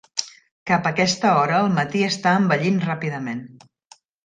Cap a aquesta hora el matí està envellint ràpidament.